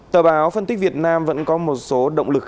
tờ báo phân tích việt nam vẫn có một số động lực